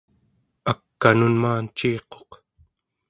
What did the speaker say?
ak'anun maanciiquq